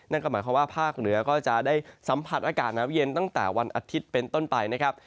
นั่นก็หมายความว่าภาคเหนือก็จะได้สัมผัสอากาศหนาวเย็นตั้งแต่วันอาทิตย์เป็นต้นไปนะครับ